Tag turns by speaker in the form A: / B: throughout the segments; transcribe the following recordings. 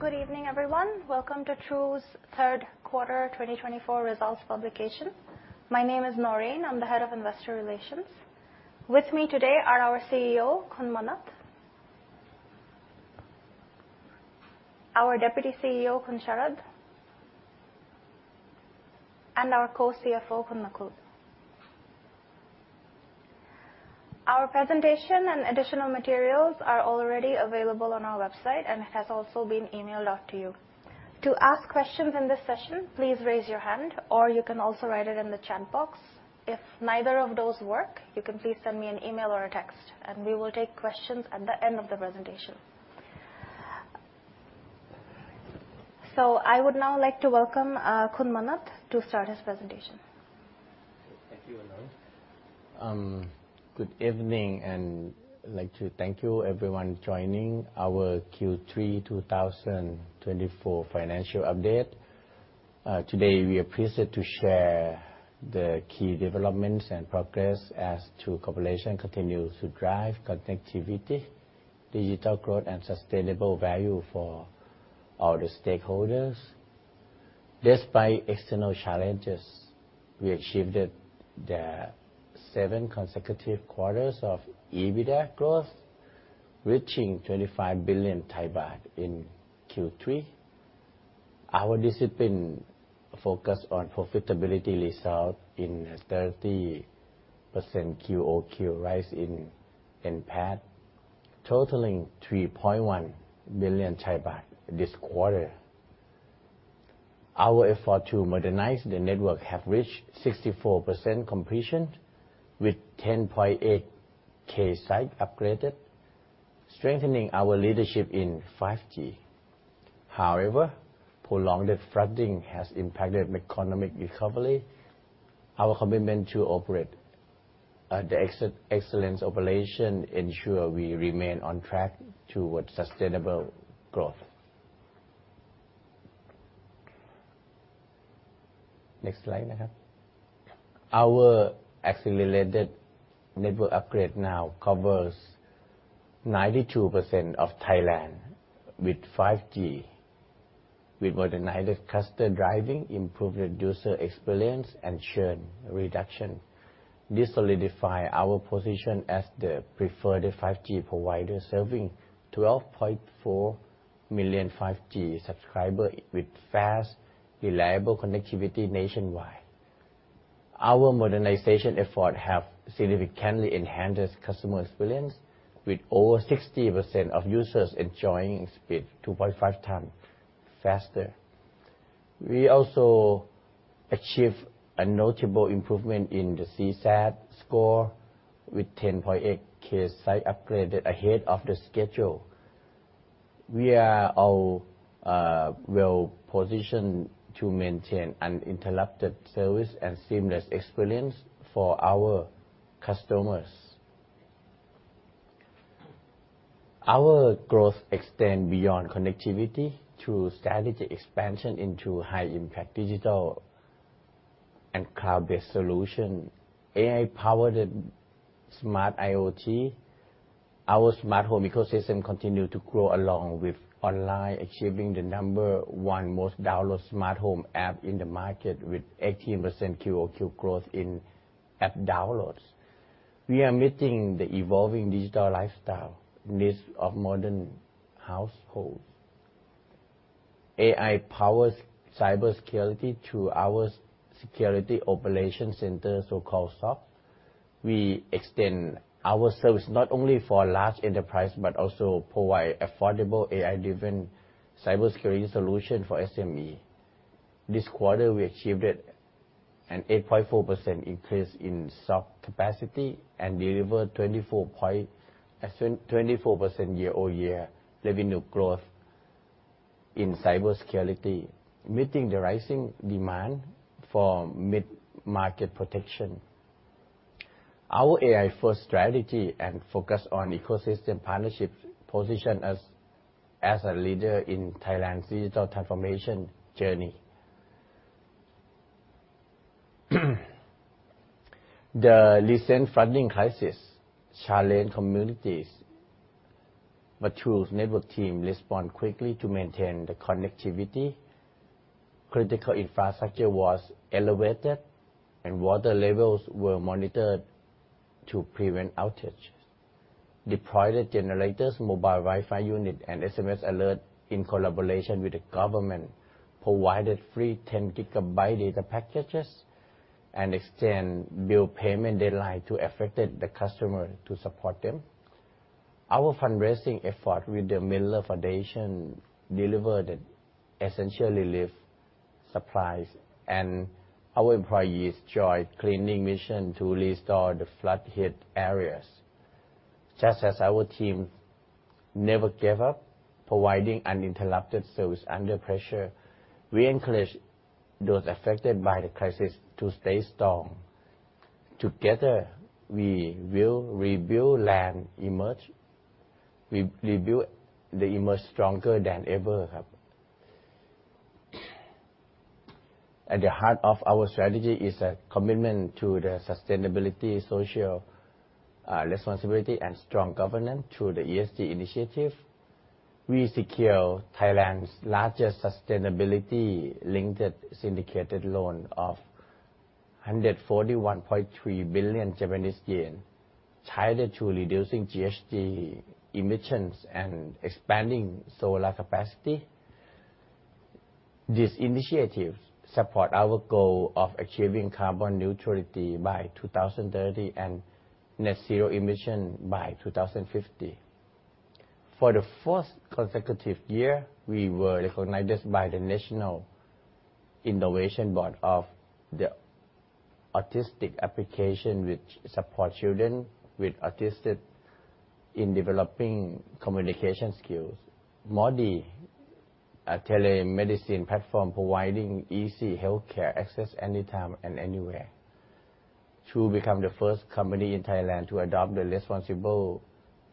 A: Good evening, everyone. Welcome to True's third quarter twenty twenty-four results publication. My name is Noreen. I'm the Head of Investor Relations. With me today are our CEO, Khun Manat, our Deputy CEO, Khun Sharad, and our co-CFO, Khun Nakul. Our presentation and additional materials are already available on our website, and it has also been emailed out to you. To ask questions in this session, please raise your hand, or you can also write it in the chat box. If neither of those work, you can please send me an email or a text, and we will take questions at the end of the presentation. I would now like to welcome, Khun Manat to start his presentation.
B: Thank you, Noreen. Good evening, and I'd like to thank everyone joining our Q3 2024 financial update. Today, we are pleased to share the key developments and progress as True Corporation continues to drive connectivity, digital growth, and sustainable value for all the stakeholders. Despite external challenges, we achieved seven consecutive quarters of EBITDA growth, reaching 25 billion baht in Q3. Our discipline focus on profitability result in a 30% QOQ rise in PAT, totaling THB 3.1 billion this quarter. Our effort to modernize the network have reached 64% completion, with 10.8K sites upgraded, strengthening our leadership in 5G. However, prolonged flooding has impacted economic recovery. Our commitment to operational excellence ensure we remain on track towards sustainable growth. Next slide, na krab. Our accelerated network upgrade now covers 92% of Thailand with 5G. We modernized customer journey, improved user experience, and churn reduction. This solidify our position as the preferred 5G provider, serving 12.4 million 5G subscribers with fast, reliable connectivity nationwide. Our modernization efforts have significantly enhanced customer experience, with over 60% of users enjoying speed 2.5 times faster. We also achieved a notable improvement in the CSAT score, with 10.8K sites upgraded ahead of the schedule. We are all, well positioned to maintain uninterrupted service and seamless experience for our customers. Our growth extends beyond connectivity to strategic expansion into high-impact digital and cloud-based solution. AI-powered smart IoT. Our smart home ecosystem continued to grow along with online, achieving the number one most downloaded smart home app in the market, with 18% QOQ growth in app downloads. We are meeting the evolving digital lifestyle needs of modern households. AI powers cybersecurity through our Security Operations Center, so-called SOC. We extend our service not only for large enterprise, but also provide affordable AI-driven cybersecurity solution for SME. This quarter, we achieved an 8.4% increase in SOC capacity and delivered 24% year-over-year revenue growth in cybersecurity, meeting the rising demand for mid-market protection. Our AI-first strategy and focus on ecosystem partnerships position us as a leader in Thailand's digital transformation journey. The recent flooding crisis challenged communities, but True's network team respond quickly to maintain the connectivity. Critical infrastructure was elevated, and water levels were monitored to prevent outage. Deployed generators, mobile Wi-Fi unit, and SMS alert in collaboration with the government, provided free 10 gigabyte data packages and extend bill payment deadline to affected customers to support them. Our fundraising effort with The Mirror Foundation delivered essential relief supplies, and our employees joined cleaning mission to restore the flood-hit areas. Just as our team never gave up providing uninterrupted service under pressure, we encourage those affected by the crisis to stay strong. Together, we will rebuild and emerge stronger than ever. At the heart of our strategy is a commitment to the sustainability, social responsibility, and strong governance through the ESG initiative. We secure Thailand's largest sustainability-linked syndicated loan of 141.3 billion Japanese yen, tied to reducing GHG emissions and expanding solar capacity. These initiatives support our goal of achieving carbon neutrality by 2030, and net zero emission by 2050. For the fourth consecutive year, we were recognized by the National Innovation Board for the True Autistic application, which supports children with autism in developing communication skills. MorDee, a telemedicine platform providing easy healthcare access anytime and anywhere, to become the first company in Thailand to adopt the Responsible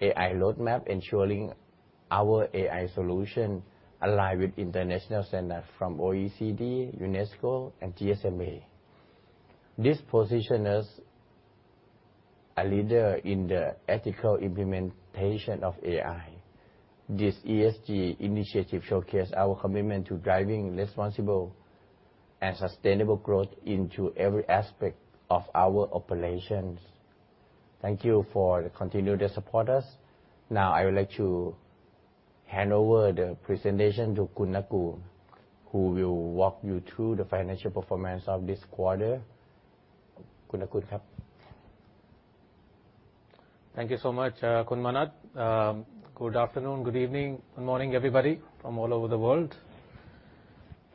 B: AI Roadmap, ensuring our AI solutions align with international standards from OECD, UNESCO, and GSMA. This positions us a leader in the ethical implementation of AI. This ESG initiative showcases our commitment to driving responsible and sustainable growth into every aspect of our operations. Thank you for the continued support. Now, I would like to hand over the presentation to Khun Nakul, who will walk you through the financial performance of this quarter. Khun Nakul.
C: Thank you so much, Khun Manat. Good afternoon, good evening, good morning, everybody from all over the world.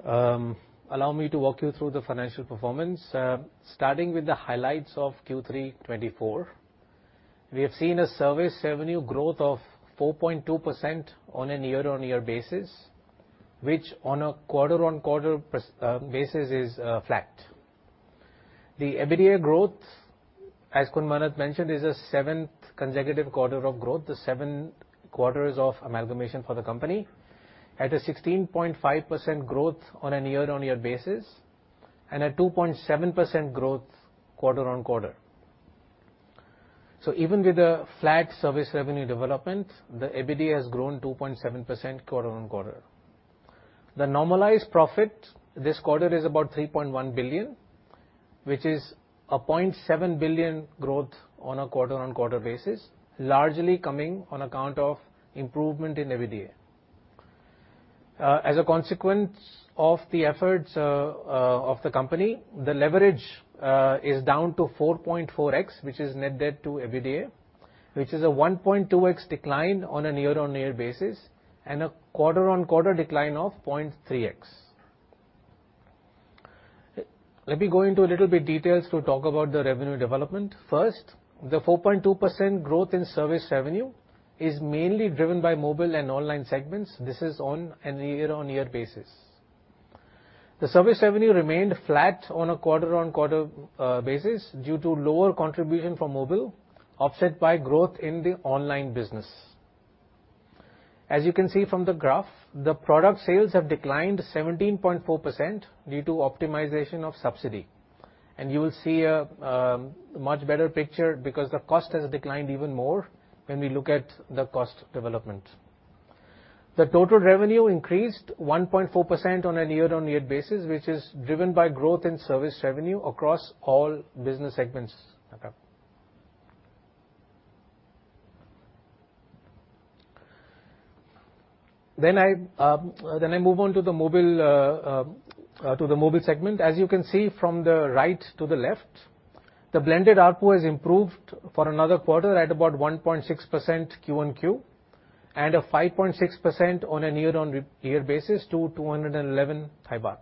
C: Allow me to walk you through the financial performance. Starting with the highlights of Q3 2024. We have seen a service revenue growth of 4.2% on a year-on-year basis, which on a quarter-on-quarter basis is flat. The EBITDA growth, as Khun Manat mentioned, is a seventh consecutive quarter of growth, the seven quarters of amalgamation for the company, at a 16.5% growth on a year-on-year basis, and a 2.7% growth quarter on quarter. So even with the flat service revenue development, the EBITDA has grown 2.7% quarter on quarter. The normalized profit this quarter is about 3.1 billion, which is a 0.7 billion growth on a quarter-on-quarter basis, largely coming on account of improvement in EBITDA. As a consequence of the efforts of the company, the leverage is down to 4.4x, which is net debt to EBITDA, which is a 1.2x decline on a year-on-year basis, and a quarter-on-quarter decline of 0.3x. Let me go into a little bit details to talk about the revenue development. First, the 4.2% growth in service revenue is mainly driven by mobile and online segments. This is on a year-on-year basis. The service revenue remained flat on a quarter-on-quarter basis due to lower contribution from mobile, offset by growth in the online business. As you can see from the graph, the product sales have declined 17.4% due to optimization of subsidy. And you will see a much better picture because the cost has declined even more when we look at the cost development. The total revenue increased 1.4% on a year-on-year basis, which is driven by growth in service revenue across all business segments. Then I move on to the mobile segment. As you can see from the right to the left, the blended ARPU has improved for another quarter at about 1.6% QoQ, and a 5.6% on a year-on-year basis to 211 baht.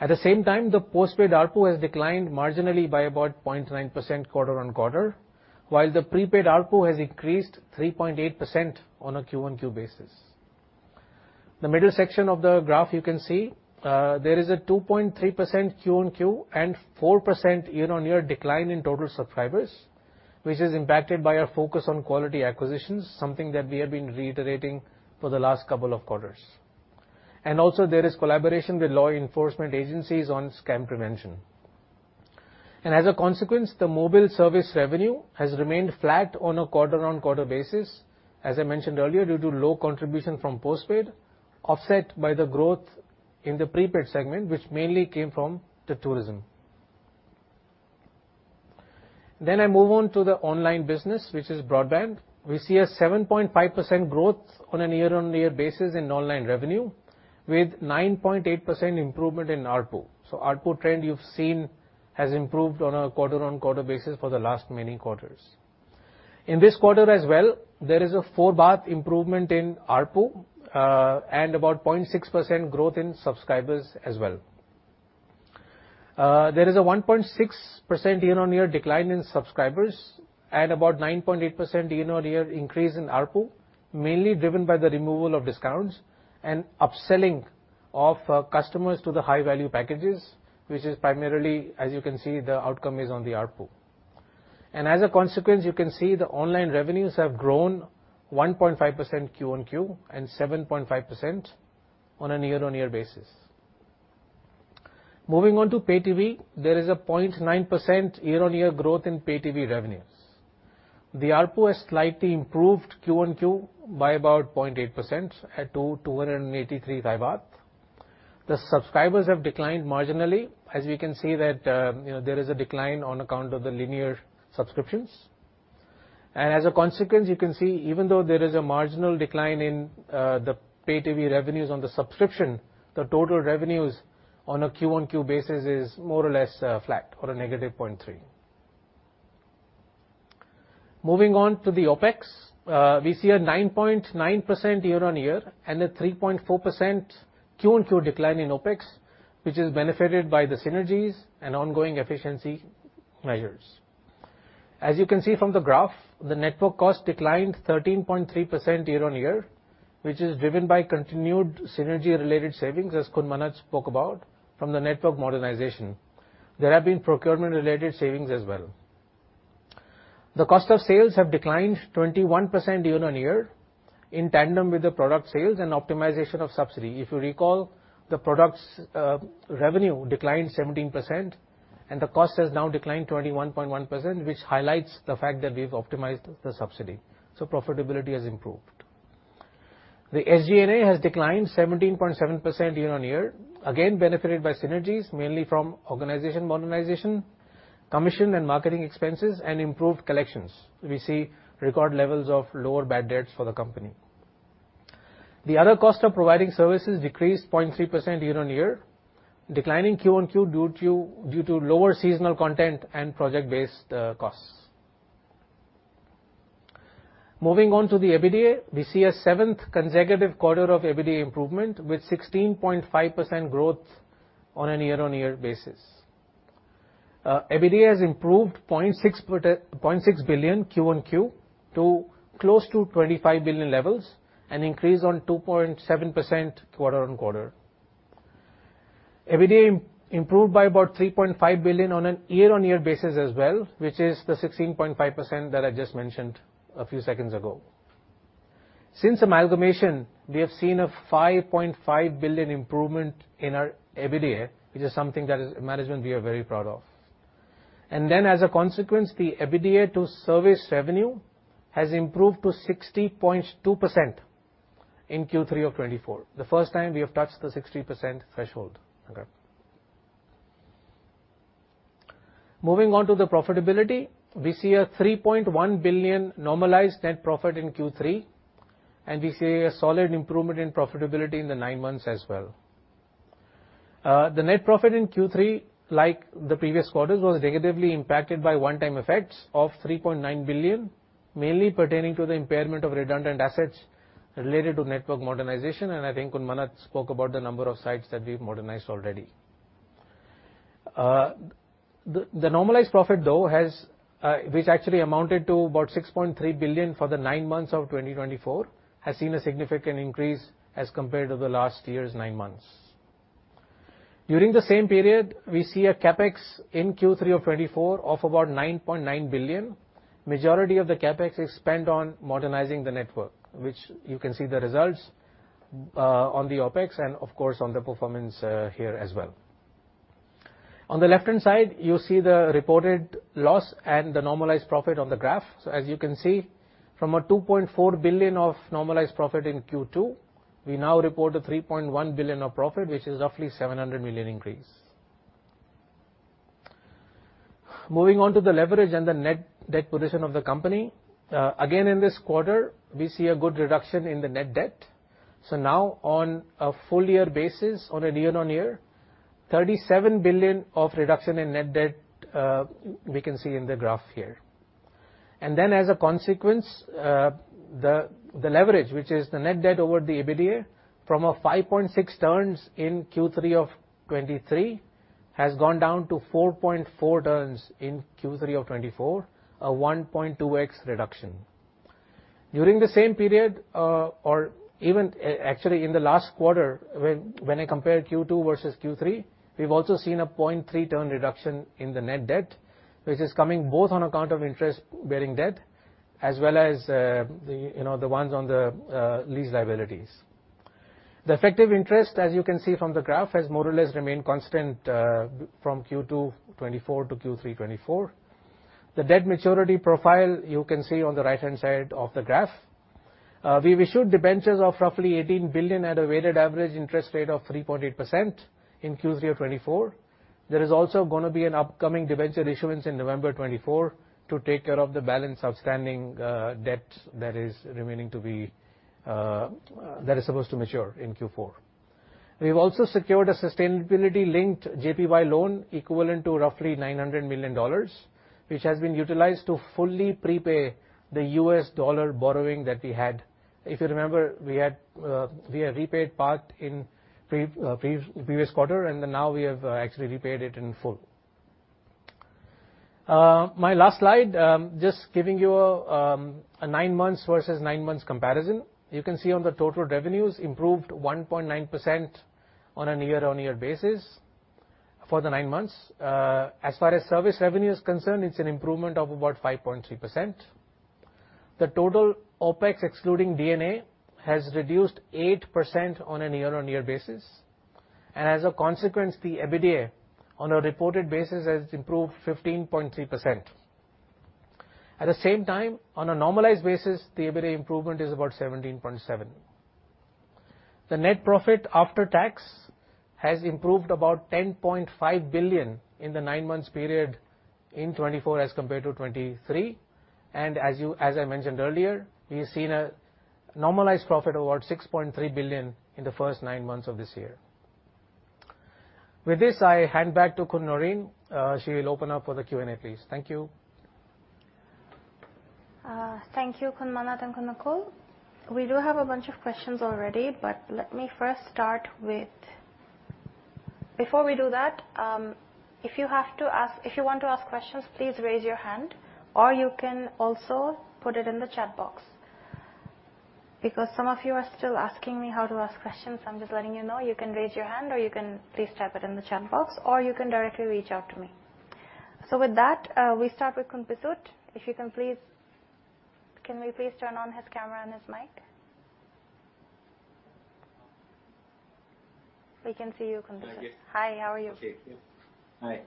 C: At the same time, the postpaid ARPU has declined marginally by about 0.9% quarter on quarter, while the prepaid ARPU has increased 3.8% on a QOQ basis. The middle section of the graph, you can see, there is a 2.3% QOQ and 4% year-on-year decline in total subscribers, which is impacted by our focus on quality acquisitions, something that we have been reiterating for the last couple of quarters. And also, there is collaboration with law enforcement agencies on scam prevention. And as a consequence, the mobile service revenue has remained flat on a quarter-on-quarter basis, as I mentioned earlier, due to low contribution from postpaid, offset by the growth in the prepaid segment, which mainly came from the tourism. Then I move on to the online business, which is broadband. We see a 7.5% growth on a year-on-year basis in online revenue, with 9.8% improvement in ARPU. So ARPU trend you've seen has improved on a quarter-on-quarter basis for the last many quarters. In this quarter as well, there is a 4 improvement in ARPU, and about 0.6% growth in subscribers as well. There is a 1.6% year-on-year decline in subscribers and about 9.8% year-on-year increase in ARPU, mainly driven by the removal of discounts and upselling of, customers to the high-value packages, which is primarily, as you can see, the outcome is on the ARPU, and as a consequence, you can see the online revenues have grown 1.5% QOQ, and 7.5% on a year-on-year basis. Moving on to pay TV, there is a 0.9% year-on-year growth in pay TV revenues. The ARPU has slightly improved QOQ by about 0.8% at 283 baht. The subscribers have declined marginally, as you can see that, you know, there is a decline on account of the linear subscriptions. And as a consequence, you can see, even though there is a marginal decline in, the pay TV revenues on the subscription, the total revenues on a QOQ basis is more or less, flat or a negative 0.3%. Moving on to the OpEx, we see a 9.9% year-on-year, and a 3.4% QOQ decline in OpEx, which is benefited by the synergies and ongoing efficiency measures. As you can see from the graph, the network cost declined 13.3% year-on-year, which is driven by continued synergy-related savings, as Khun Manat spoke about, from the network modernization. There have been procurement-related savings as well. The cost of sales have declined 21% year-on-year, in tandem with the product sales and optimization of subsidy. If you recall, the products, revenue declined 17%, and the cost has now declined 21.1%, which highlights the fact that we've optimized the subsidy, so profitability has improved. The SG&A has declined 17.7% year-on-year, again, benefited by synergies, mainly from organization modernization, commission and marketing expenses, and improved collections. We see record levels of lower bad debts for the company. The other cost of providing services decreased 0.3% year-on-year, declining QOQ, due to lower seasonal content and project-based costs. Moving on to the EBITDA, we see a seventh consecutive quarter of EBITDA improvement, with 16.5% growth on a year-on-year basis. EBITDA has improved 0.6 billion QOQ, to close to 25 billion levels, an increase of 2.7% quarter-on-quarter. EBITDA improved by about 3.5 billion on a year-on-year basis as well, which is the 16.5% that I just mentioned a few seconds ago. Since amalgamation, we have seen a 5.5 billion improvement in our EBITDA, which is something that as management, we are very proud of. Then, as a consequence, the EBITDA to service revenue has improved to 60.2% in Q3 of 2024, the first time we have touched the 60% threshold. Moving on to the profitability, we see a 3.1 billion normalized net profit in Q3, and we see a solid improvement in profitability in the nine months as well. The net profit in Q3, like the previous quarters, was negatively impacted by one-time effects of 3.9 billion, mainly pertaining to the impairment of redundant assets related to network modernization, and I think Khun Manat spoke about the number of sites that we've modernized already. The normalized profit, though, which actually amounted to about 6.3 billion for the nine months of 2024, has seen a significant increase as compared to the last year's nine months. During the same period, we see a CapEx in Q3 of 2024 of about 9.9 billion. Majority of the CapEx is spent on modernizing the network, which you can see the results, on the OpEx and, of course, on the performance, here as well. On the left-hand side, you see the reported loss and the normalized profit on the graph. As you can see, from a 2.4 billion of normalized profit in Q2, we now report a 3.1 billion of profit, which is roughly a 700 million increase. Moving on to the leverage and the net debt position of the company. Again, in this quarter, we see a good reduction in the net debt, so now, on a full year basis, on a year-on-year, 37 billion of reduction in net debt, we can see in the graph here. And then, as a consequence, the leverage, which is the net debt over the EBITDA, from a five point six turns in Q3 of 2023, has gone down to four point four turns in Q3 of 2024, a one point two x reduction. During the same period, or even actually in the last quarter, when I compare Q2 versus Q3, we've also seen a point three turn reduction in the net debt, which is coming both on account of interest-bearing debt, as well as, you know, the ones on the lease liabilities. The effective interest, as you can see from the graph, has more or less remained constant, from Q2 2024 to Q3 2024. The debt maturity profile you can see on the right-hand side of the graph. We've issued debentures of roughly 18 billion at a weighted average interest rate of 3.8% in Q3 of 2024. There is also gonna be an upcoming debenture issuance in November 2024, to take care of the balance outstanding debt that is remaining to be that is supposed to mature in Q4. We've also secured a sustainability-linked JPY loan equivalent to roughly $900 million, which has been utilized to fully prepay the US dollar borrowing that we had. If you remember, we had repaid part in previous quarter, and then now we have actually repaid it in full. My last slide just giving you a nine months versus nine months comparison. You can see on the total revenues, improved 1.9% on a year-on-year basis for the nine months. As far as service revenue is concerned, it's an improvement of about 5.3%. The total OpEx, excluding D&A, has reduced 8% on a year-on-year basis, and as a consequence, the EBITDA, on a reported basis, has improved 15.3%. At the same time, on a normalized basis, the EBITDA improvement is about 17.7%. The net profit after tax has improved about 10.5 billion in the nine months period in 2024 as compared to 2023, and as I mentioned earlier, we've seen a normalized profit of about 6.3 billion in the first nine months of this year. With this, I hand back to Khun Noreen. She will open up for the Q&A, please. Thank you.
A: Thank you, Khun Manat and Khun Nakul. We do have a bunch of questions already, but let me first start with... Before we do that, if you want to ask questions, please raise your hand, or you can also put it in the chat box, because some of you are still asking me how to ask questions. I'm just letting you know, you can raise your hand, or you can please type it in the chat box, or you can directly reach out to me. So with that, we start with Khun Pisut. If you can please, can we please turn on his camera and his mic? We can see you, Khun Pisut.
D: Thank you.
A: Hi, how are you?
D: Okay. Hi.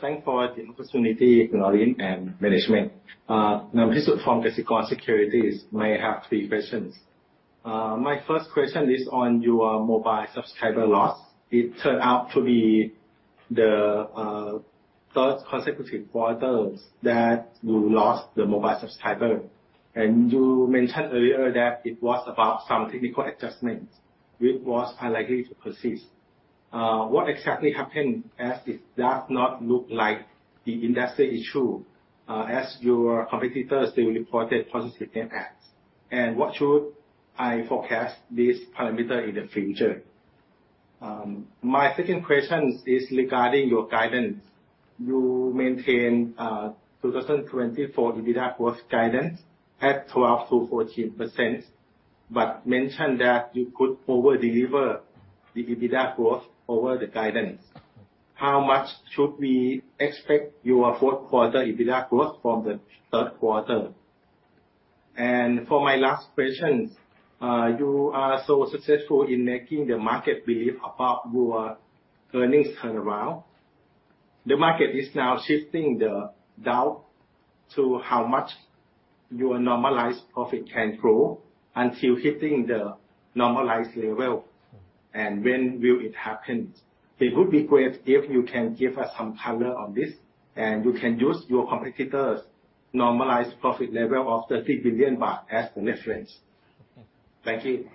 D: Thanks for the opportunity, Noreen and management. Khun Pisut from Kasikorn Securities. I have three questions. My first question is on your mobile subscriber loss. It turned out to be the third consecutive quarters that you lost the mobile subscriber, and you mentioned earlier that it was about some technical adjustments, which was unlikely to persist. What exactly happened, as it does not look like the industry issue, as your competitors still reported positive impact? And what should I forecast this parameter in the future? My second question is regarding your guidance. You maintained two thousand twenty-four EBITDA growth guidance at 12%-14%, but mentioned that you could over-deliver the EBITDA growth over the guidance. How much should we expect your fourth quarter EBITDA growth from the third quarter? For my last question, you are so successful in making the market believe about your earnings turnaround. The market is now shifting the doubt to how much your normalized profit can grow until hitting the normalized level, and when will it happen? It would be great if you can give us some color on this, and you can use your competitor's normalized profit level of 30 billion baht as the reference. Thank you.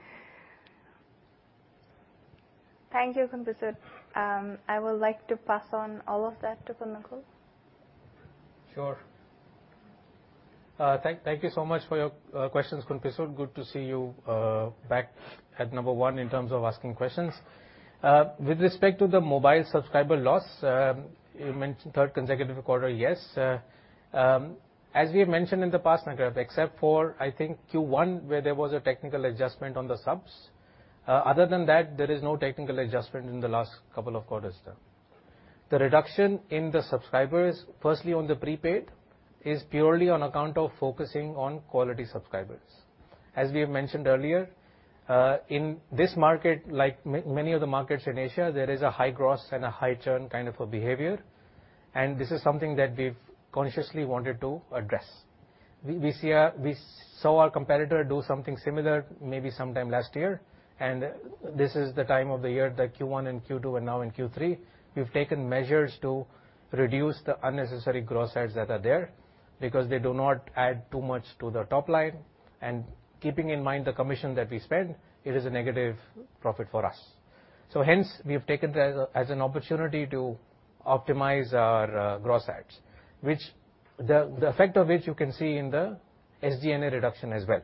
A: Thank you, Khun Pisut. I would like to pass on all of that to Khun Nakul.
C: Sure. Thank you so much for your questions, Kun Pisut. Good to see you back at number one in terms of asking questions. With respect to the mobile subscriber loss, you mentioned third consecutive quarter. Yes. As we have mentioned in the past, however, except for, I think, Q1, where there was a technical adjustment on the subs, other than that, there is no technical adjustment in the last couple of quarters there. The reduction in the subscribers, firstly, on the prepaid, is purely on account of focusing on quality subscribers. As we have mentioned earlier, in this market, like many other markets in Asia, there is a high gross and a high churn kind of a behavior, and this is something that we've consciously wanted to address. We saw our competitor do something similar, maybe sometime last year, and this is the time of the year. The Q1 and Q2 are now in Q3. We've taken measures to reduce the unnecessary growth rates that are there, because they do not add too much to the top line. Keeping in mind the commission that we spend, it is a negative profit for us. So hence, we have taken that as an opportunity to optimize our gross adds, which the effect of which you can see in the SG&A reduction as well,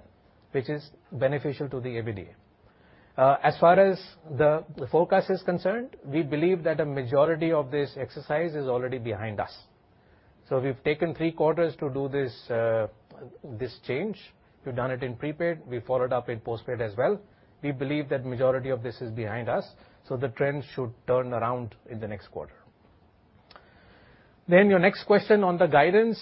C: which is beneficial to the EBITDA. As far as the forecast is concerned, we believe that a majority of this exercise is already behind us. So we've taken three quarters to do this, this change. We've done it in prepaid. We followed up in postpaid as well. We believe that majority of this is behind us, so the trend should turn around in the next quarter. Then your next question on the guidance.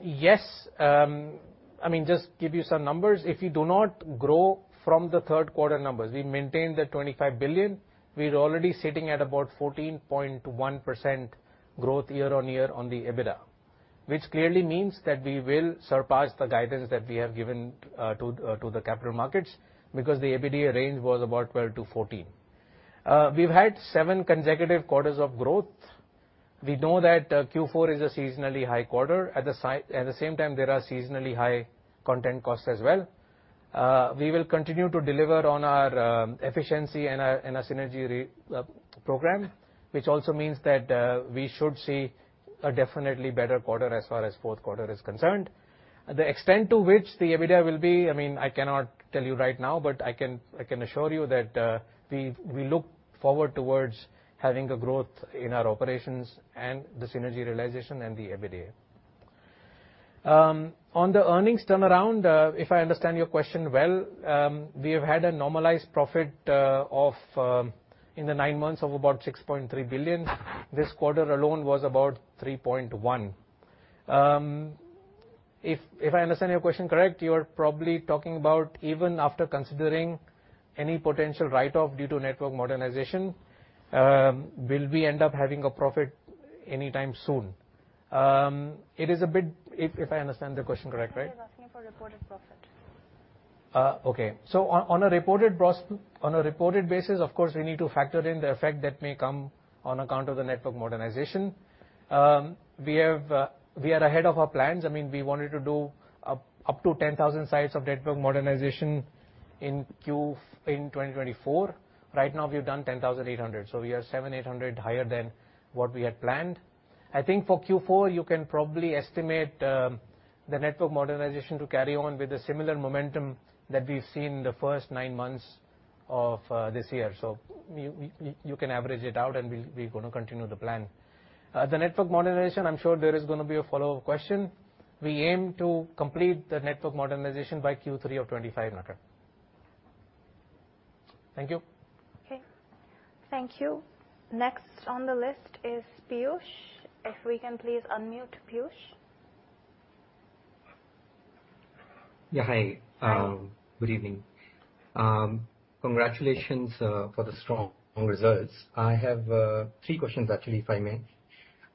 C: Yes, I mean, just give you some numbers. If you do not grow from the third quarter numbers, we maintained the 25 billion. We're already sitting at about 14.1% growth year on year on the EBITDA, which clearly means that we will surpass the guidance that we have given, to, to the capital markets, because the EBITDA range was about 12%-14%. We've had seven consecutive quarters of growth. We know that, Q4 is a seasonally high quarter. At the same time, there are seasonally high content costs as well. We will continue to deliver on our efficiency and our synergy program, which also means that we should see a definitely better quarter as far as fourth quarter is concerned. The extent to which the EBITDA will be, I mean, I cannot tell you right now, but I can assure you that we look forward towards having a growth in our operations and the synergy realization and the EBITDA. On the earnings turnaround, if I understand your question well, we have had a normalized profit of in the nine months of about 6.3 billion. This quarter alone was about 3.1 billion. If I understand your question correct, you are probably talking about even after considering any potential write-off due to network modernization, will we end up having a profit anytime soon? It is a bit... If I understand the question correct, right?
A: I think he is asking for reported profit.
C: Okay. So on a reported basis, of course, we need to factor in the effect that may come on account of the network modernization. We have, we are ahead of our plans. I mean, we wanted to do up to 10,000 sites of network modernization in 2024. Right now, we've done 10,800, so we are 700-800 higher than what we had planned. I think for Q4, you can probably estimate the network modernization to carry on with a similar momentum that we've seen in the first nine months of this year. So you can average it out, and we're gonna continue the plan. The network modernization, I'm sure there is gonna be a follow-up question. We aim to complete the network modernization by Q3 of 2025, Nakul. Thank you.
A: Okay. Thank you. Next on the list is Piyush. If we can please unmute Piyush?
E: Yeah, hi. Good evening. Congratulations for the strong results. I have three questions, actually, if I may.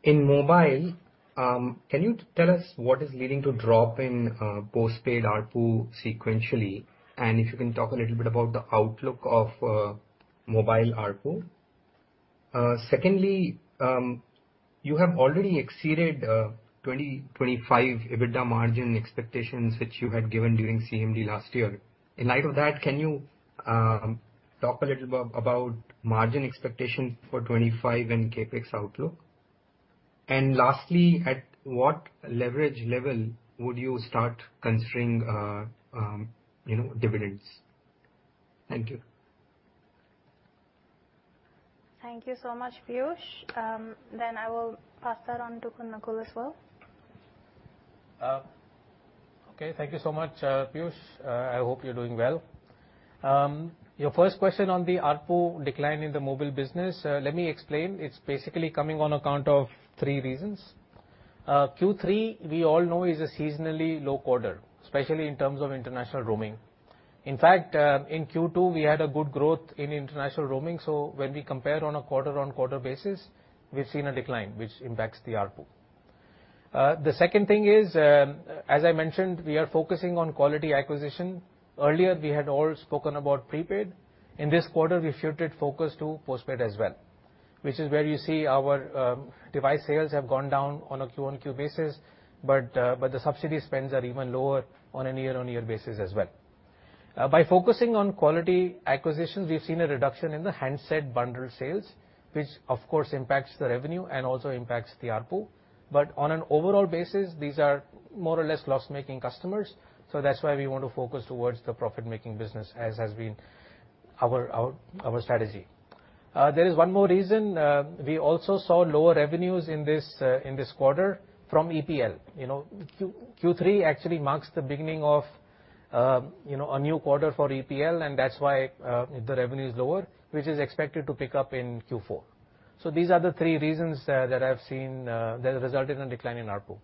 E: In mobile, can you tell us what is leading to drop in postpaid ARPU sequentially? And if you can talk a little bit about the outlook of mobile ARPU. Secondly, you have already exceeded 2025 EBITDA margin expectations, which you had given during CMD last year. In light of that, can you talk a little bit about margin expectations for 2025 and CapEx outlook? And lastly, at what leverage level would you start considering, you know, dividends? Thank you.
A: Thank you so much, Piyush. Then I will pass that on to Nakul as well.
C: Okay. Thank you so much, Piyush. I hope you're doing well. Your first question on the ARPU decline in the mobile business, let me explain. It's basically coming on account of three reasons. Q3, we all know, is a seasonally low quarter, especially in terms of international roaming. In fact, in Q2, we had a good growth in international roaming, so when we compare on a quarter-on-quarter basis, we've seen a decline, which impacts the ARPU. The second thing is, as I mentioned, we are focusing on quality acquisition. Earlier, we had all spoken about prepaid. In this quarter, we shifted focus to postpaid as well, which is where you see our device sales have gone down on a Q-on-Q basis, but the subsidy spends are even lower on a year-on-year basis as well. By focusing on quality acquisitions, we've seen a reduction in the handset bundle sales, which of course, impacts the revenue and also impacts the ARPU. But on an overall basis, these are more or less loss-making customers, so that's why we want to focus towards the profit-making business, as has been our strategy. There is one more reason. We also saw lower revenues in this quarter from EPL. You know, Q3 actually marks the beginning of, you know, a new quarter for EPL, and that's why the revenue is lower, which is expected to pick up in Q4. So these are the three reasons that I've seen that resulted in a decline in ARPU.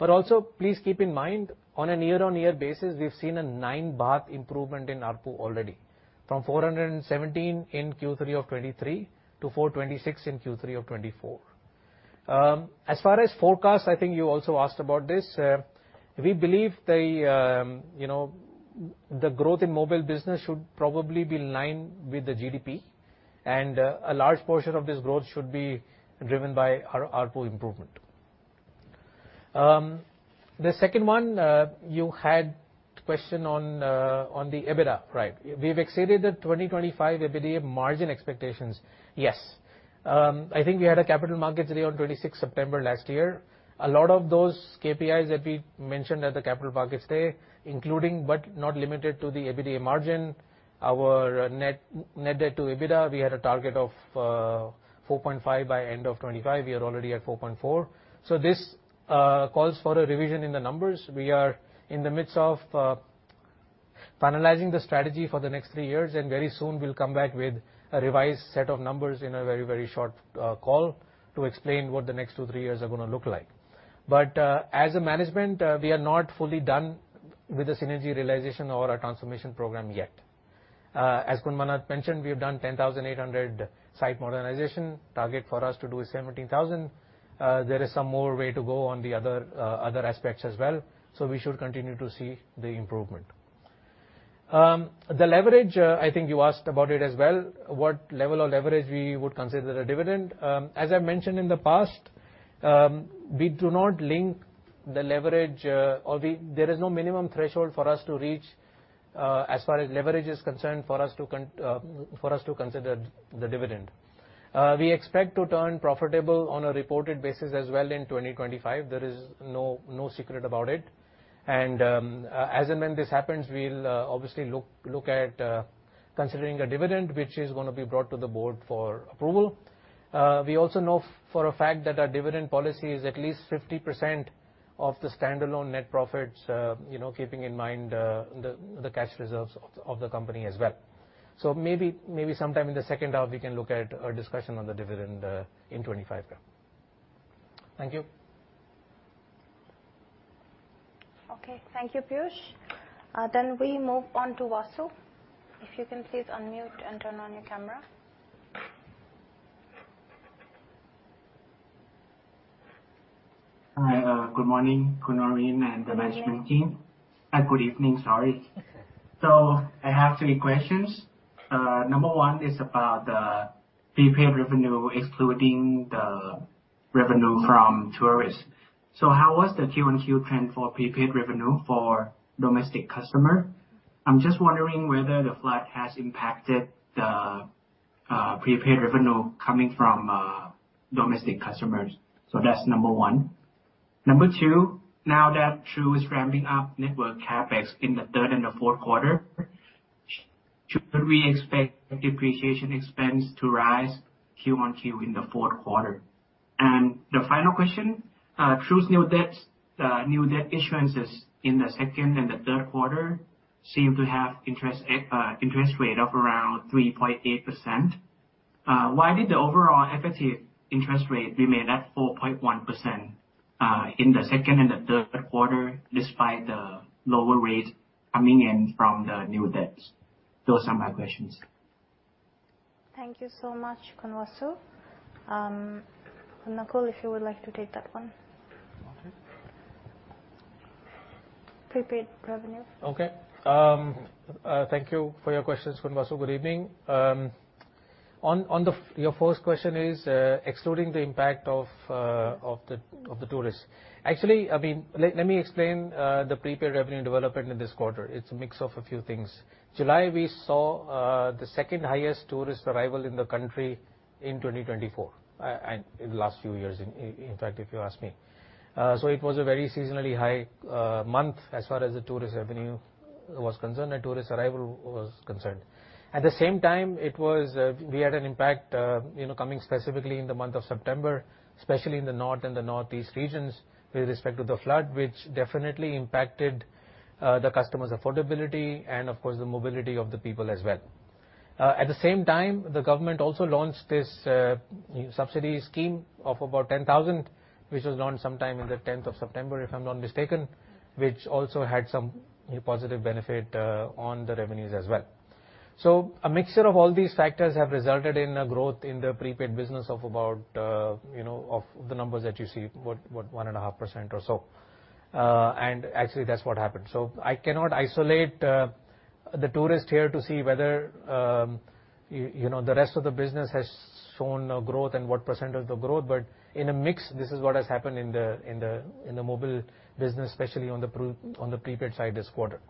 C: Also, please keep in mind, on a year-on-year basis, we've seen a 9 improvement in ARPU already, from 417 in Q3 of 2023 to 426 in Q3 of 2024. As far as forecast, I think you also asked about this. We believe the, you know, the growth in mobile business should probably be in line with the GDP, and, a large portion of this growth should be driven by our ARPU improvement. The second one, you had question on, on the EBITDA, right? We've exceeded the 2025 EBITDA margin expectations. Yes. I think we had a capital markets day on 26th September last year. A lot of those KPIs that we mentioned at the capital markets day, including but not limited to the EBITDA margin, our net, net debt to EBITDA, we had a target of 4.5 by end of 2025. We are already at 4.4. So this calls for a revision in the numbers. We are in the midst of finalizing the strategy for the next three years, and very soon we'll come back with a revised set of numbers in a very, very short call to explain what the next two, three years are gonna look like. But as a management, we are not fully done with the synergy realization or our transformation program yet. As Khun Manat mentioned, we have done 10,800 site modernization. Target for us to do is 17,000. There is some more way to go on the other, other aspects as well, so we should continue to see the improvement. The leverage, I think you asked about it as well, what level of leverage we would consider a dividend? As I've mentioned in the past, we do not link the leverage, or there is no minimum threshold for us to reach, as far as leverage is concerned, for us to consider the dividend. We expect to turn profitable on a reported basis as well in twenty twenty-five. There is no secret about it. And, as and when this happens, we'll obviously look at considering a dividend, which is gonna be brought to the board for approval. We also know for a fact that our dividend policy is at least 50% of the standalone net profits, you know, keeping in mind the cash reserves of the company as well. So maybe sometime in the second half, we can look at a discussion on the dividend in 2025. Thank you.
A: Okay. Thank you, Piyush. Then we move on to Wasu. If you can please unmute and turn on your camera.
F: Hi, good morning, Khun Noreen and the management team. Good evening. Sorry. So I have three questions. Number one is about the prepaid revenue, excluding the revenue from tourists. So how was the Q-on-Q trend for prepaid revenue for domestic customer? I'm just wondering whether the flood has impacted the prepaid revenue coming from domestic customers. So that's number one. Number two, now that True is ramping up network CapEx in the third and the fourth quarter, should we expect depreciation expense to rise Q-on-Q in the fourth quarter? And the final question, True's new debts, new debt issuances in the second and the third quarter seem to have interest, interest rate of around 3.8%. Why did the overall effective interest rate remain at 4.1% in the second and the third quarter, despite the lower rate coming in from the new debts? Those are my questions.
A: Thank you so much, Khun Wasu. Nakul, if you would like to take that one.
C: Okay.
A: Prepaid revenue.
C: Okay. Thank you for your questions, Khun Wasu. Good evening. On the... Your first question is, excluding the impact of the tourists. Actually, I mean, let me explain the prepaid revenue development in this quarter. It's a mix of a few things. July, we saw the second highest tourist arrival in the country in twenty twenty-four, and in the last few years, in fact, if you ask me. So it was a very seasonally high month as far as the tourist revenue was concerned and tourist arrival was concerned. At the same time, it was, we had an impact, you know, coming specifically in the month of September, especially in the north and the northeast regions, with respect to the flood, which definitely impacted the customers' affordability and of course, the mobility of the people as well. At the same time, the government also launched this subsidy scheme of about ten thousand, which was launched sometime in the tenth of September, if I'm not mistaken, which also had some positive benefit on the revenues as well. A mixture of all these factors have resulted in a growth in the prepaid business of about, you know, of the numbers that you see, what, 1.5% or so. Actually, that's what happened. I cannot isolate the tourist here to see whether you know the rest of the business has shown a growth and what percentage of growth, but in a mix, this is what has happened in the mobile business, especially on the prepaid side this quarter.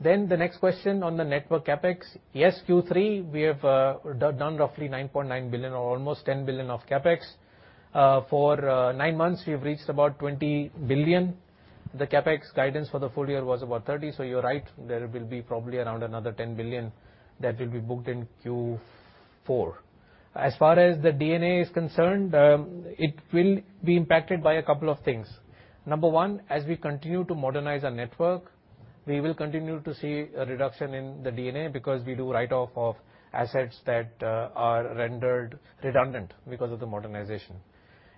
C: Then the next question on the network CapEx. Yes, Q3, we have done roughly 9.9 billion or almost 10 billion of CapEx. For nine months, we have reached about 20 billion. The CapEx guidance for the full year was about 30 billion, so you are right, there will be probably around another 10 billion that will be booked in Q4. As far as the D&A is concerned, it will be impacted by a couple of things. Number one, as we continue to modernize our network, we will continue to see a reduction in the D&A because we do write-off of assets that are rendered redundant because of the modernization.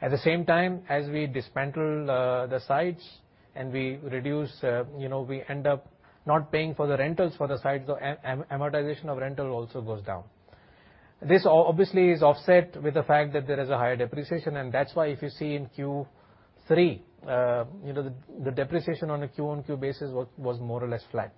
C: At the same time, as we dismantle the sites and we reduce, you know, we end up not paying for the rentals for the sites, so amortization of rental also goes down. This obviously is offset with the fact that there is a higher depreciation, and that's why if you see in Q3, you know, the depreciation on a Q-on-Q basis was more or less flat.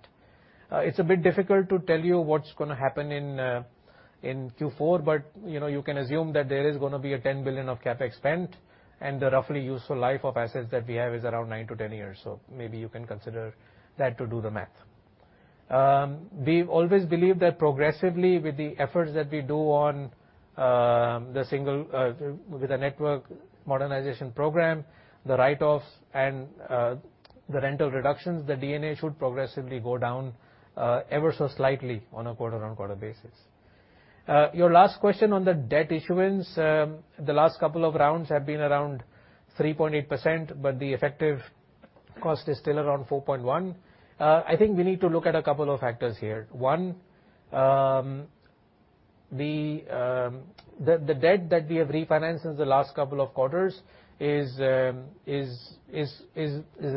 C: It's a bit difficult to tell you what's gonna happen in Q4, but you know, you can assume that there is gonna be 10 billion of CapEx spent, and the roughly useful life of assets that we have is around 9 to 10 years. So maybe you can consider that to do the math. We've always believed that progressively, with the efforts that we do on the Single Grid, with the network modernization program, the write-offs and the rental reductions, the DNA should progressively go down ever so slightly on a quarter-on-quarter basis. Your last question on the debt issuance, the last couple of rounds have been around 3.8%, but the effective cost is still around 4.1%. I think we need to look at a couple of factors here. One, the debt that we have refinanced since the last couple of quarters is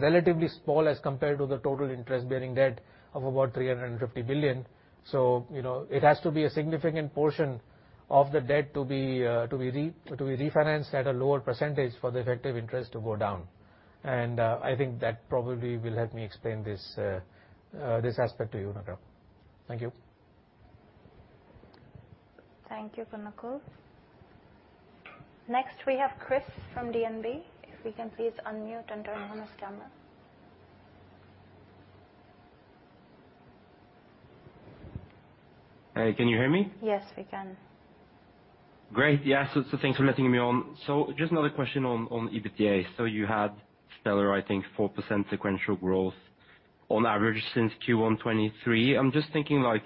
C: relatively small as compared to the total interest-bearing debt of about 350 billion. So, you know, it has to be a significant portion of the debt to be refinanced at a lower percentage for the effective interest to go down. And, I think that probably will help me explain this aspect to you, Nakul. Thank you.
A: Thank you, Nakul. Next, we have Chris from DNB. If we can please unmute and turn on his camera....
G: Hey, can you hear me?
A: Yes, we can.
G: Great. Yeah, so, so thanks for letting me on. So just another question on, on EBITDA. So you had stellar, I think, 4% sequential growth on average since Q1 2023. I'm just thinking, like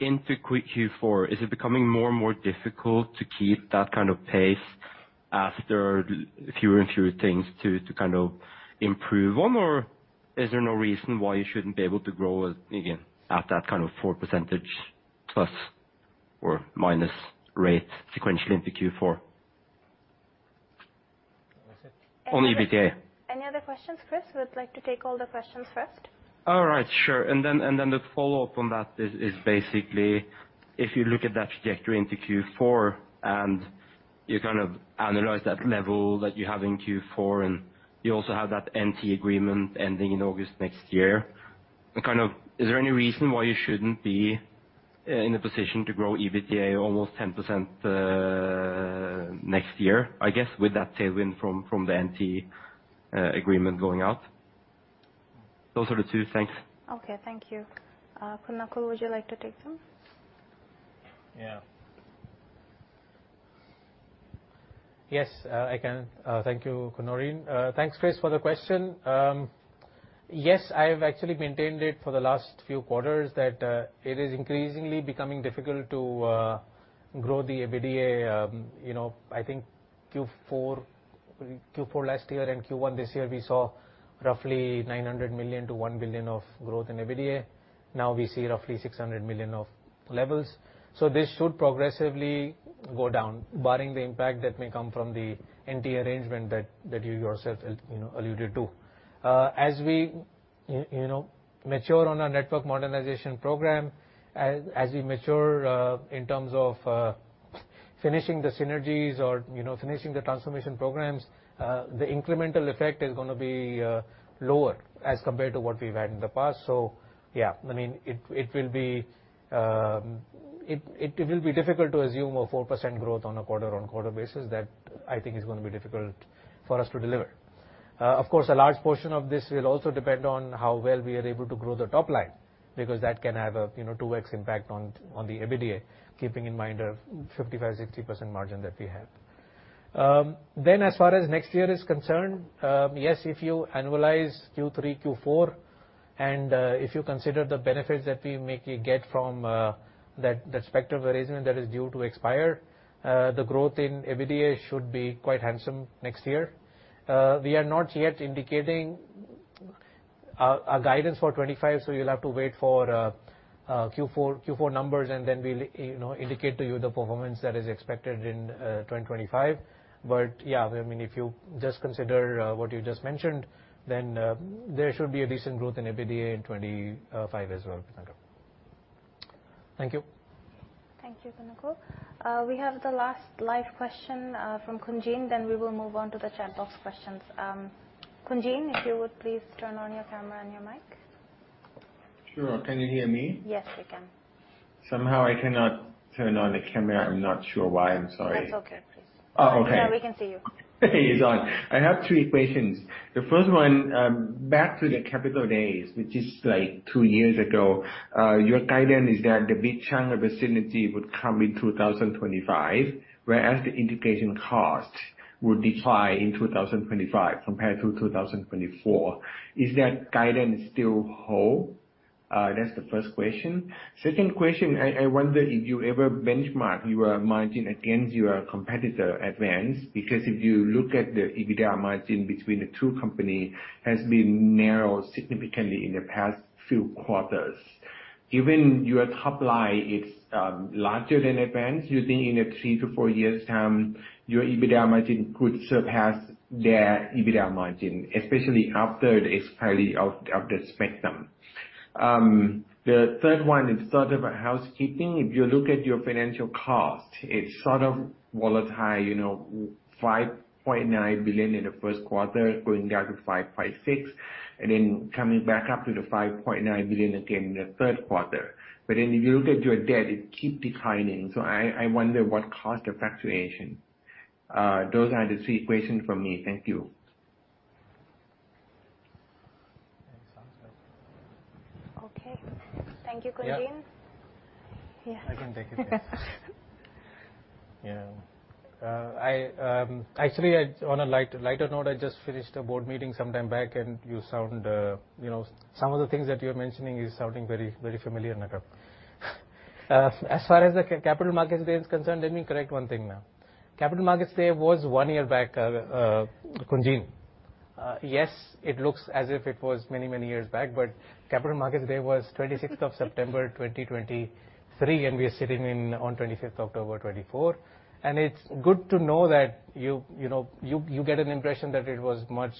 G: into Q4, is it becoming more and more difficult to keep that kind of pace after fewer and fewer things to, to kind of improve on? Or is there no reason why you shouldn't be able to grow again at that kind of 4% plus or minus rate sequentially into Q4?
A: That's it.
G: On EBITDA.
A: Any other questions, Chris? We'd like to take all the questions first.
G: All right, sure. And then the follow-up on that is basically, if you look at that trajectory into Q4, and you kind of analyze that level that you have in Q4, and you also have that NT agreement ending in August next year, kind of, is there any reason why you shouldn't be in a position to grow EBITDA almost 10%, next year, I guess, with that tailwind from the NT agreement going out? Those are the two. Thanks.
A: Okay. Thank you. Nakul, would you like to take them?
C: Yeah. Yes, I can. Thank you, Noreen. Thanks, Chris, for the question. Yes, I've actually maintained it for the last few quarters, that it is increasingly becoming difficult to grow the EBITDA. You know, I think Q4 last year and Q1 this year, we saw roughly 900 million-1 billion of growth in EBITDA. Now we see roughly 600 million of levels. So this should progressively go down, barring the impact that may come from the NT arrangement that you yourself alluded to. As we you know, mature on our network modernization program, as we mature in terms of finishing the synergies or, you know, finishing the transformation programs, the incremental effect is gonna be lower as compared to what we've had in the past. Yeah, I mean, it will be difficult to assume a 4% growth on a quarter-on-quarter basis. That, I think is gonna be difficult for us to deliver. Of course, a large portion of this will also depend on how well we are able to grow the top line, because that can have a you know, two X impact on the EBITDA, keeping in mind a 55-60% margin that we have. Then, as far as next year is concerned, yes, if you annualize Q3, Q4, and if you consider the benefits that we may get from that the spectrum arrangement that is due to expire, the growth in EBITDA should be quite handsome next year. We are not yet indicating our guidance for 2025, so you'll have to wait for Q4 numbers, and then we'll, you know, indicate to you the performance that is expected in 2025. But yeah, I mean, if you just consider what you just mentioned, then there should be a decent growth in EBITDA in 2025 as well. Thank you.
A: Thank you, Kunal. We have the last live question from Khun Jin, then we will move on to the chat box questions. Khun Jin, if you would please turn on your camera and your mic.
H: Sure. Can you hear me?
A: Yes, we can.
H: Somehow I cannot turn on the camera. I'm not sure why. I'm sorry.
A: That's okay, please.
H: Oh, okay.
A: Yeah, we can see you.
H: It's on. I have three questions. The first one, back to the Capital Days, which is, like, two years ago. Your guidance is that the big chunk of the synergy would come in 2025, whereas the integration cost would decline in 2025 compared to 2024. Is that guidance still whole? That's the first question. Second question, I wonder if you ever benchmark your margin against your competitor, Advanced, because if you look at the EBITDA margin between the two company, has been narrowed significantly in the past few quarters. Even your top line, it's larger than Advanced. Do you think in a three to four years time, your EBITDA margin could surpass their EBITDA margin, especially after the expiry of the spectrum? The third one is sort of a housekeeping. If you look at your financial cost, it's sort of volatile, you know, 5.9 billion in the first quarter, going down to 5.6 billion, and then coming back up to 5.9 billion again in the third quarter. But then if you look at your debt, it keep declining. So I wonder what caused the fluctuation. Those are the three questions from me. Thank you.
C: Sounds good.
A: Okay. Thank you, Khun Jin.
C: Yeah.
A: Yeah.
C: I can take it. Yeah. Actually, on a lighter note, I just finished a board meeting sometime back, and you sound, you know, some of the things that you're mentioning is sounding very, very familiar now. As far as the Capital Markets Day is concerned, let me correct one thing now. Capital Markets Day was one year back, Khun Jin. Yes, it looks as if it was many, many years back, but Capital Markets Day was twenty-sixth of September 2023, and we are sitting in on twenty-fifth October 2024. It's good to know that you, you know, you get an impression that it was much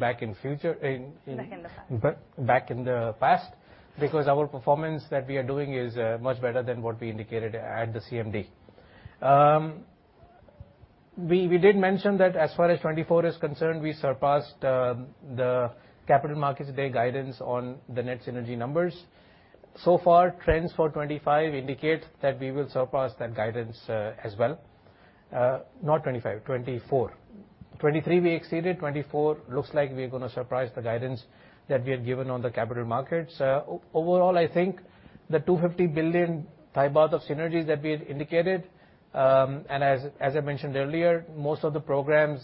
C: back in future, in, in-
A: Back in the past.
C: Back in the past, because our performance that we are doing is much better than what we indicated at the CMD. We did mention that as far as 2024 is concerned, we surpassed the Capital Markets Day guidance on the net synergy numbers. So far, trends for 2025 indicate that we will surpass that guidance as well. Not 2025, 2024. 2023 we exceeded, 2024 looks like we're gonna surprise the guidance that we had given on the capital markets. Overall, I think the 250 billion baht of synergies that we had indicated, and as I mentioned earlier, most of the programs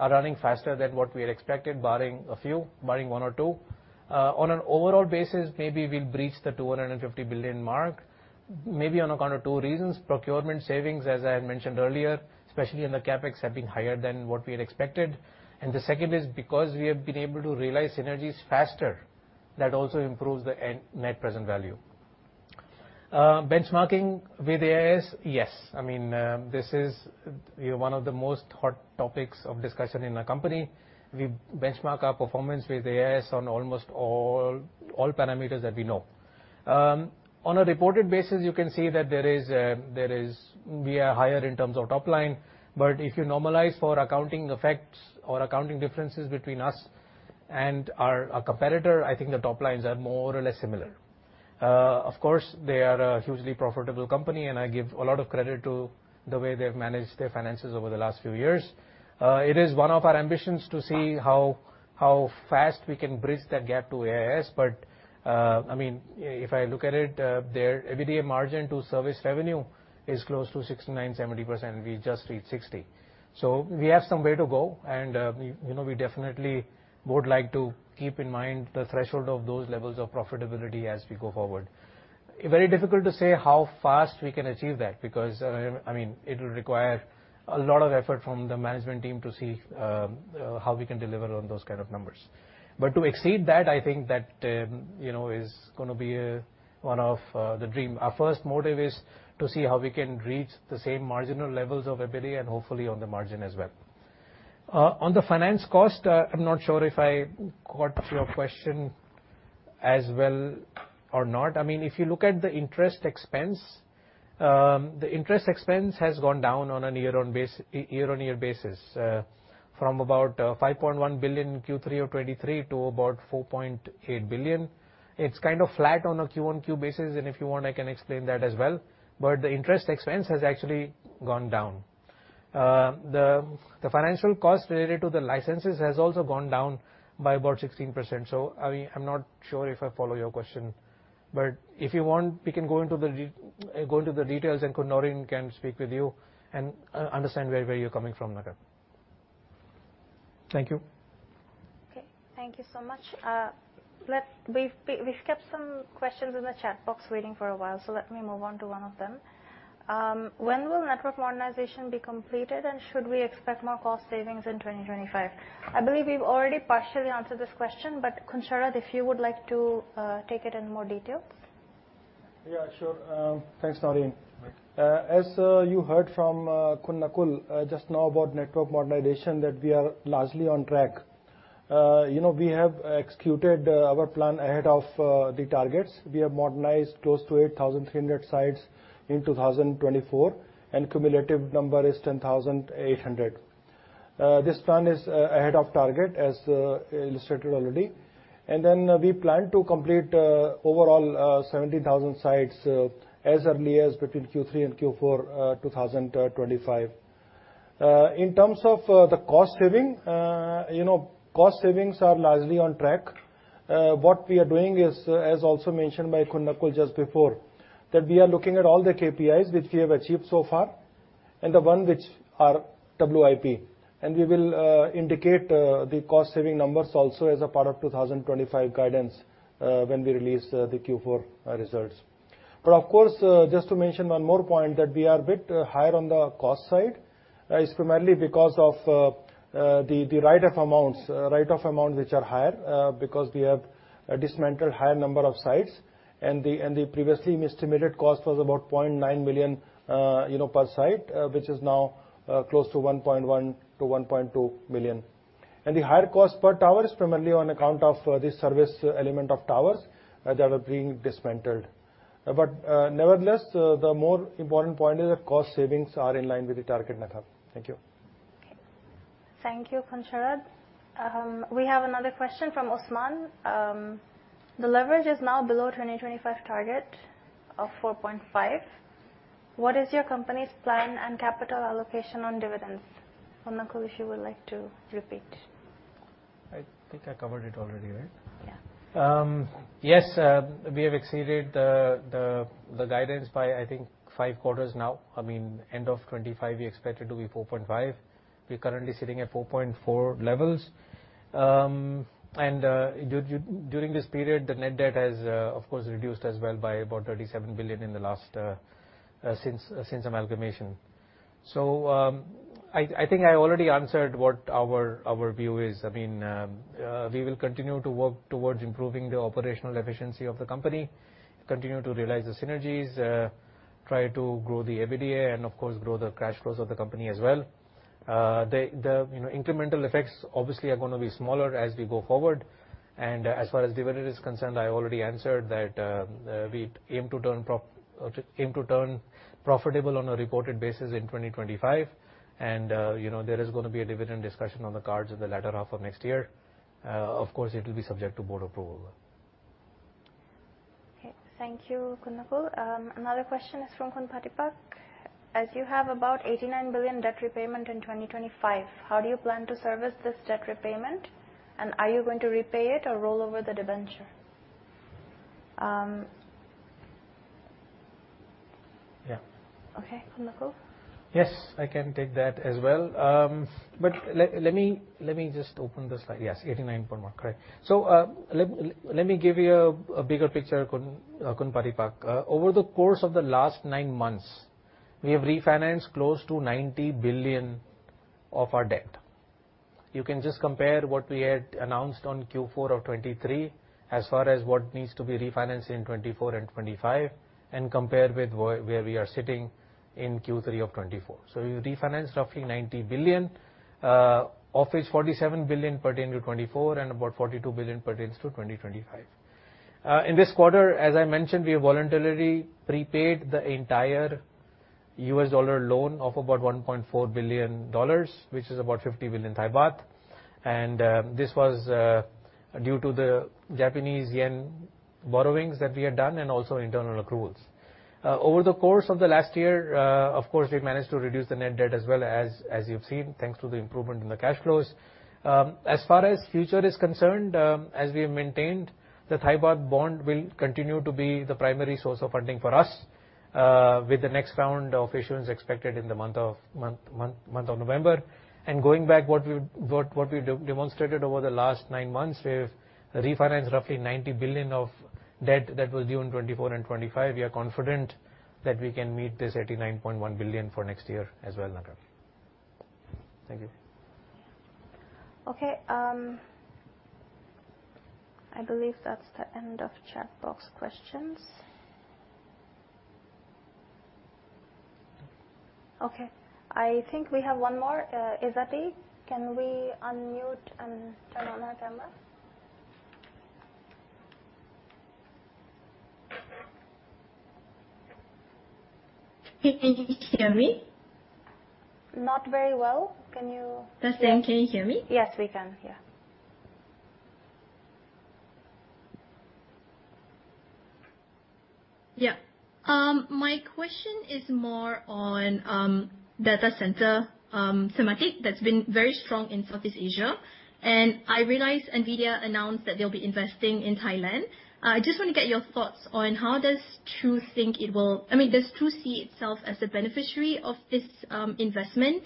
C: are running faster than what we had expected, barring a few, barring one or two. On an overall basis, maybe we'll breach the 250 billion mark, maybe on account of two reasons: procurement savings, as I had mentioned earlier, especially in the CapEx, have been higher than what we had expected, and the second is because we have been able to realize synergies faster, that also improves the end net present value. Benchmarking with AIS, yes. I mean, this is, you know, one of the most hot topics of discussion in our company. We benchmark our performance with AIS on almost all parameters that we know. On a reported basis, you can see that there is we are higher in terms of top line, but if you normalize for accounting effects or accounting differences between us and our competitor, I think the top lines are more or less similar. Of course, they are a hugely profitable company, and I give a lot of credit to the way they've managed their finances over the last few years. It is one of our ambitions to see how fast we can bridge that gap to AIS. But, I mean, if I look at it, their EBITDA margin to service revenue is close to 69-70%. We just reached 60%. So we have some way to go, and, you know, we definitely would like to keep in mind the threshold of those levels of profitability as we go forward. Very difficult to say how fast we can achieve that, because, I mean, it will require a lot of effort from the management team to see how we can deliver on those kind of numbers. But to exceed that, I think that, you know, is gonna be one of the dream. Our first motive is to see how we can reach the same marginal levels of EBITDA, and hopefully, on the margin as well. On the finance cost, I'm not sure if I caught your question as well or not. I mean, if you look at the interest expense, the interest expense has gone down on a year-on-year basis, from about 5.1 billion in Q3 of 2023, to about 4.8 billion. It's kind of flat on a QOQ basis, and if you want, I can explain that as well, but the interest expense has actually gone down. The financial cost related to the licenses has also gone down by about 16%. So, I mean, I'm not sure if I follow your question, but if you want, we can go into the details, and Khun Noreen can speak with you and understand where you're coming from, Nakul. Thank you.
A: Okay, thank you so much. We've kept some questions in the chat box waiting for a while, so let me move on to one of them. When will network modernization be completed, and should we expect more cost savings in 2025? I believe we've already partially answered this question, but Khun Sharad, if you would like to take it in more detail.
I: Yeah, sure. Thanks, Noreen.
A: Right.
I: As you heard from Khun Nakul just now about network modernization, that we are largely on track. You know, we have executed our plan ahead of the targets. We have modernized close to eight thousand three hundred sites in two thousand twenty-four, and cumulative number is ten thousand eight hundred. This plan is ahead of target, as illustrated already. And then, we plan to complete overall seventeen thousand sites as early as between Q3 and Q4 two thousand twenty-five. In terms of the cost saving, you know, cost savings are largely on track. What we are doing is, as also mentioned by Khun Nakul just before, that we are looking at all the KPIs which we have achieved so far and the one which are WIP. We will indicate the cost-saving numbers also as a part of two thousand twenty-five guidance when we release the Q4 results. But of course, just to mention one more point, that we are a bit higher on the cost side. It's primarily because of the write-off amounts which are higher because we have dismantled higher number of sites, and the previously estimated cost was about 0.9 million, you know, per site, which is now close to 1.1-1.2 million. And the higher cost per tower is primarily on account of the service element of towers that are being dismantled. But nevertheless, the more important point is that cost savings are in line with the target, Nakul. Thank you.
A: Okay. Thank you, Khun Sharad. We have another question from Osman: "The leverage is now below 2025 target of 4.5. What is your company's plan and capital allocation on dividends?" Khun Nakul, if you would like to repeat.
C: I think I covered it already, right?
A: Yeah.
C: Yes, we have exceeded the guidance by, I think, five quarters now. I mean, end of 2025, we expect it to be four point five. We're currently sitting at four point four levels. During this period, the net debt has, of course, reduced as well by about 37 billion since amalgamation. I think I already answered what our view is. I mean, we will continue to work towards improving the operational efficiency of the company, continue to realize the synergies, try to grow the EBITDA and, of course, grow the cash flows of the company as well. You know, the incremental effects obviously are gonna be smaller as we go forward. As far as dividend is concerned, I already answered that. We aim to turn profitable on a reported basis in 2025. You know, there is gonna be a dividend discussion on the cards in the latter half of next year. Of course, it will be subject to board approval....
A: Okay, thank you, Khun Nakul. Another question is from Khun Phatipak. As you have about 89 billion debt repayment in 2025, how do you plan to service this debt repayment, and are you going to repay it or roll over the debenture?
C: Yeah.
A: Okay, Khun Nakul?
C: Yes, I can take that as well. But let me just open the slide. Yes, 89.1. Correct. So, let me give you a bigger picture, Khun Phatipak. Over the course of the last nine months, we have refinanced close to 90 billion of our debt. You can just compare what we had announced on Q4 of 2023 as far as what needs to be refinanced in 2024 and 2025, and compare with where we are sitting in Q3 of 2024. So we refinanced roughly 90 billion, of which 47 billion pertain to 2024, and about 42 billion pertains to 2025. In this quarter, as I mentioned, we have voluntarily prepaid the entire US dollar loan of about $1.4 billion, which is about 50 billion Thai baht. This was due to the Japanese yen borrowings that we had done and also internal accruals. Over the course of the last year, of course, we've managed to reduce the net debt as well as, as you've seen, thanks to the improvement in the cash flows. As far as future is concerned, as we have maintained, the Thai baht bond will continue to be the primary source of funding for us, with the next round of issuance expected in the month of November. Going back, what we demonstrated over the last nine months, we've refinanced roughly 90 billion of debt that was due in 2024 and 2025. We are confident that we can meet this 89.1 billion for next year as well, Nakul. Thank you.
A: Okay, I believe that's the end of chat box questions. Okay, I think we have one more. Izzati, can we unmute and turn on her camera?
J: Can you hear me?
A: Not very well. Can you-
J: Test again. Can you hear me?
A: Yes, we can. Yeah.
J: Yeah. My question is more on data center thematic that's been very strong in Southeast Asia, and I realize NVIDIA announced that they'll be investing in Thailand. I just want to get your thoughts on how does True think it will—I mean, does True see itself as a beneficiary of this investment?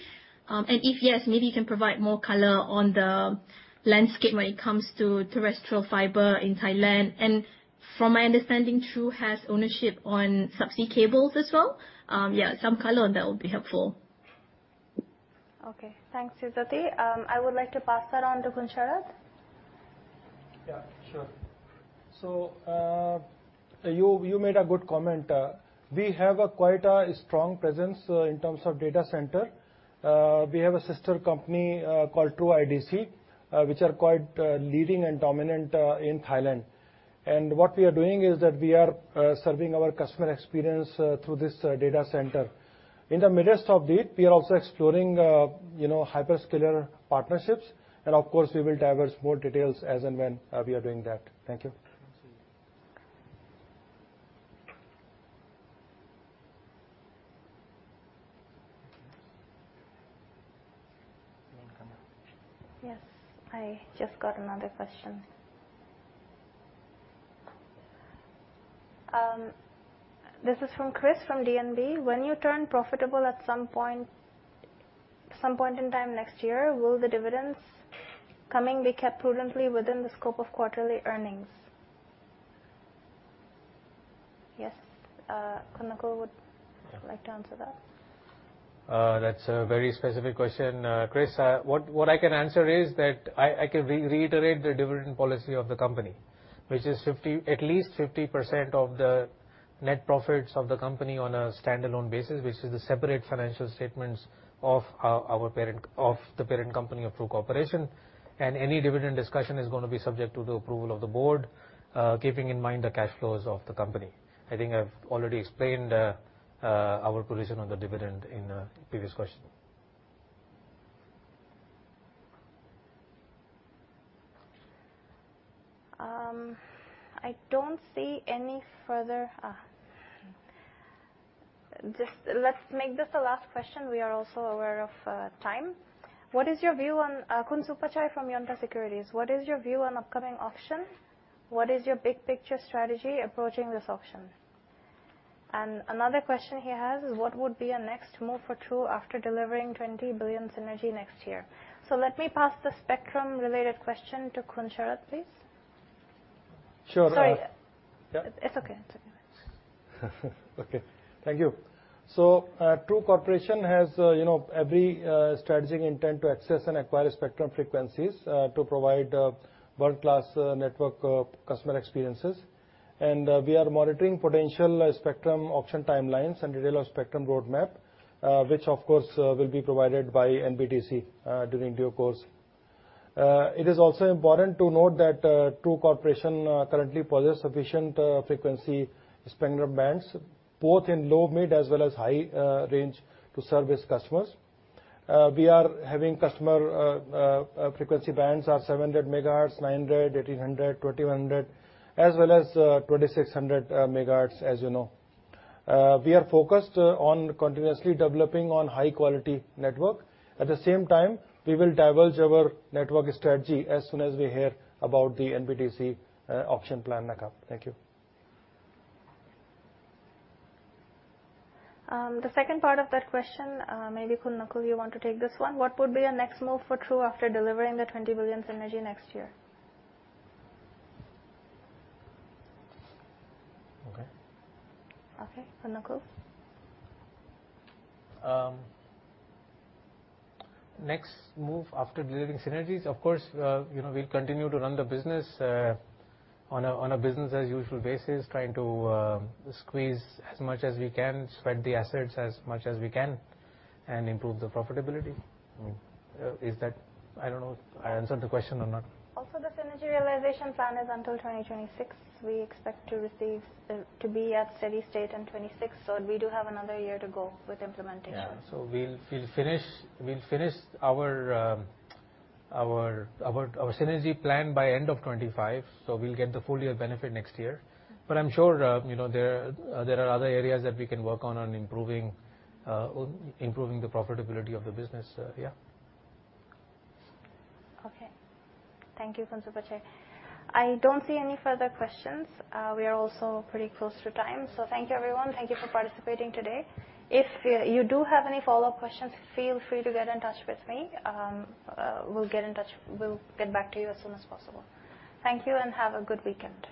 J: And if yes, maybe you can provide more color on the landscape when it comes to terrestrial fiber in Thailand, and from my understanding, True has ownership on subsea cables as well. Yeah, some color on that would be helpful.
A: Okay. Thanks, Izzati. I would like to pass that on to Khun Sharad.
I: Yeah, sure. You made a good comment. We have quite a strong presence in terms of data center. We have a sister company called True IDC, which are quite leading and dominant in Thailand. And what we are doing is that we are serving our customer experience through this data center. In the midst of it, we are also exploring, you know, hyperscaler partnerships, and of course, we will divulge more details as and when we are doing that. Thank you.
C: Thank you. One camera.
A: Yes, I just got another question. This is from Chris, from DNB. When you turn profitable at some point, some point in time next year, will the dividends coming be kept prudently within the scope of quarterly earnings? Yes, Khun Nakul, would you like to answer that?
C: That's a very specific question, Chris. What I can answer is that I can reiterate the dividend policy of the company, which is at least 50% of the net profits of the company on a standalone basis, which is the separate financial statements of our parent. Of the parent company of True Corporation. And any dividend discussion is going to be subject to the approval of the board, keeping in mind the cash flows of the company. I think I've already explained our position on the dividend in a previous question.
A: Just let's make this the last question. We are also aware of time. Question from Khun Supachai from Yuanta Securities. What is your view on upcoming auctions? What is your big picture strategy approaching this auction? And another question he has is: What would be a next move for True after delivering 20 billion synergy next year? So let me pass the spectrum-related question to Khun Sharad, please.
I: Sure-
A: Sorry.
I: Yeah.
A: It's okay. It's okay.
I: Okay. Thank you. So, True Corporation has, you know, every strategic intent to access and acquire spectrum frequencies to provide world-class network customer experiences. We are monitoring potential spectrum auction timelines and detail of spectrum roadmap, which of course will be provided by NBTC during due course. It is also important to note that True Corporation currently possess sufficient frequency spectrum bands, both in low, mid, as well as high range to service customers. We are having customer frequency bands are seven hundred megahertz, nine hundred, eighteen hundred, twenty-one hundred, as well as twenty-six hundred megahertz, as you know. We are focused on continuously developing on high-quality network. At the same time, we will divulge our network strategy as soon as we hear about the NBTC auction plan, Nakul. Thank you.
A: The second part of that question, maybe, Khun Nakul, you want to take this one: What would be a next move for True after delivering the 20 billion synergy next year?
C: Okay.
A: Okay, Khun Nakul.
C: Next move after delivering synergies, of course, you know, we'll continue to run the business on a business as usual basis, trying to squeeze as much as we can, sweat the assets as much as we can, and improve the profitability. Is that? I don't know if I answered the question or not.
A: Also, the synergy realization plan is until 2026. We expect to be at steady state in 2026, so we do have another year to go with implementation.
C: Yeah. So we'll finish our synergy plan by end of 2025, so we'll get the full year benefit next year. But I'm sure, you know, there are other areas that we can work on improving the profitability of the business, yeah.
A: Okay. Thank you, Khun Supachai. I don't see any further questions. We are also pretty close to time. So thank you, everyone. Thank you for participating today. If you do have any follow-up questions, feel free to get in touch with me. We'll get back to you as soon as possible. Thank you, and have a good weekend.